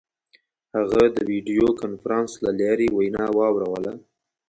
هغه د ویډیو کنفرانس له لارې وینا واوروله.